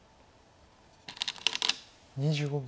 ２５秒。